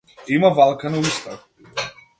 Има валкана уста.